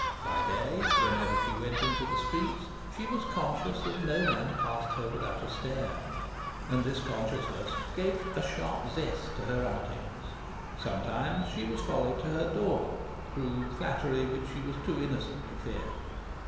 By day, whenever she went into the streets, she was conscious that no man passed her without a stare; and this consciousness gave a sharp zest to her outings. Sometimes she was followed to her door crude flattery which she was too innocent to fear.